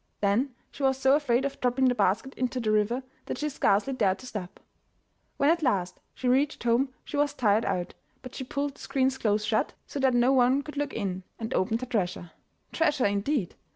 Then she was so afraid of dropping the basket into the river that she scarcely dared to step. When at last she reached home she was tired out, but she pulled the screens close shut, so that no one could look in, and opened her treasure. Treasure indeed!